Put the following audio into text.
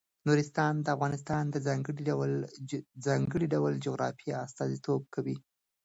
نورستان د افغانستان د ځانګړي ډول جغرافیه استازیتوب کوي.